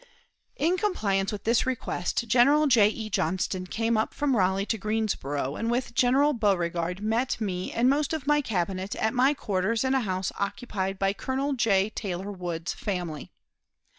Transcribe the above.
In compliance with this request, General J. E. Johnston came up from Raleigh to Greensboro, and with General Beauregard met me and most of my Cabinet at my quarters in a house occupied by Colonel J. Taylor Wood's family.